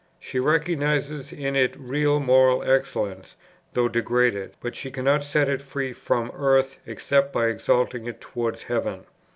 She recognizes in it real moral excellence though degraded, but she cannot set it free from earth except by exalting it towards heaven.